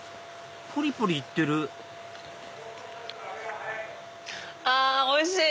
ポリポリいってるあおいしい！